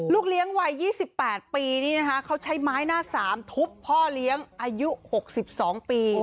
เลี้ยงวัย๒๘ปีนี่นะคะเขาใช้ไม้หน้า๓ทุบพ่อเลี้ยงอายุ๖๒ปี